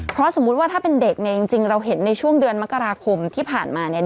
เพราะสมมุติว่าถ้าเป็นเด็กเนี่ยจริงเราเห็นในช่วงเดือนมกราคมที่ผ่านมาเนี่ย